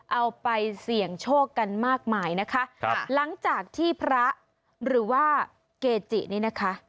เอาไปเสี่ยงโชคกันมากมายนะคะครับหลังจากที่พระหรือว่าเกจินี่นะคะ